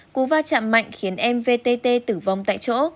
cú va chạm mạnh khiến em vtt tử vong tại chỗ